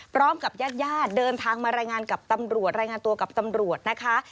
พร้อมกับญาติย่าเดินทางมารายงานตัวกับตำรวจนะคะ